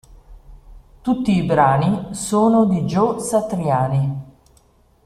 Tutti i brani sono di Joe Satriani.